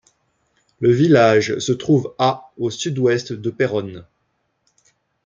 Le village se trouve à au sud-ouest de Péronne.